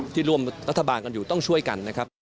ที่ร่วมรัฐบาลกันอยู่ต้องช่วยกันนะครับ